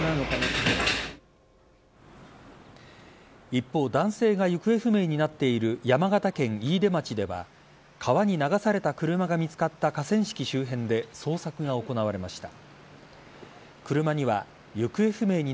一方男性が行方不明になっている山形県飯豊町では川に流された車が見つかった河川敷周辺で捜索が行われました。